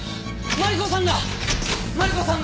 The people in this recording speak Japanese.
マリコさんが！